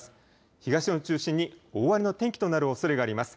東日本中心に大荒れの天気となるおそれがあります。